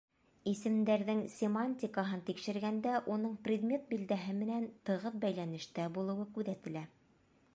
Исемдәрҙең семантикаһын тикшергәндә уның предмет билдәһе менән тығыҙ бәйләнештә булыуы күҙәтелә.